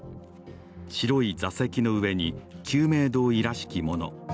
白い座席の上に救命胴衣らしきもの。